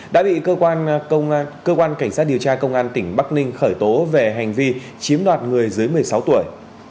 đã bị cơ quan cảnh sát điều tra công an tỉnh bắc ninh khởi tố về hành vi chiếm đoạt người dưới một mươi sáu tuổi